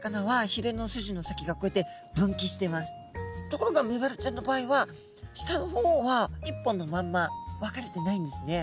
ところがメバルちゃんの場合は下の方は一本のまんま分かれてないんですね。